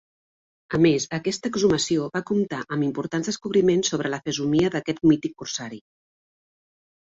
A més, aquesta exhumació va comptar amb importants descobriments sobre la fesomia d'aquest mític corsari.